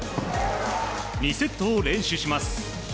２セットを連取します。